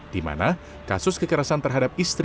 di mana kasus kekerasan terhadap istri